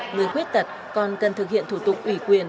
người khuyết tật còn cần thực hiện thủ tục ủy quyền